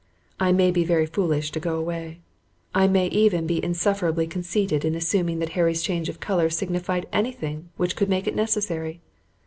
I may be very foolish to go away; I may be even insufferably conceited in assuming that Harry's change of color signified anything which could make it necessary.